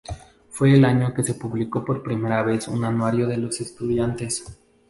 Fue el año que se publicó por primera vez un anuario de los estudiantes.